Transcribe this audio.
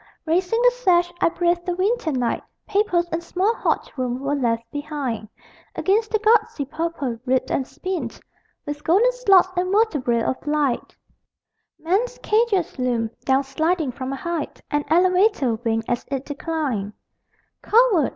_ Raising the sash, I breathed the winter night: Papers and small hot room were left behind. Against the gusty purple, ribbed and spined With golden slots and vertebræ of light Men's cages loomed. Down sliding from a height An elevator winked as it declined. Coward!